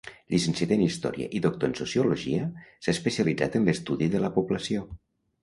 Llicenciat en història i doctor en sociologia, s'ha especialitzat en l'estudi de la població.